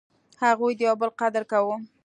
هغوی د یو بل قدر کاوه.